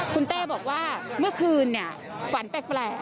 คุณเต้บอกว่าเมื่อคืนฝันแปลก